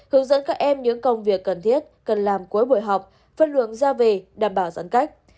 hướng dẫn các em những công việc cần thiết cần làm cuối buổi học phân luận ra về đảm bảo giãn cách